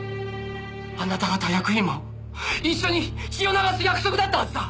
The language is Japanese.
あなた方役員も一緒に血を流す約束だったはずだ！